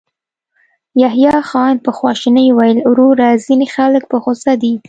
يحيی خان په خواشينۍ وويل: وروره، ځينې خلک په غوسه دي.